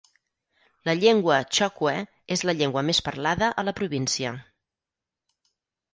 La llengua chokwe és la llengua més parlada a la província.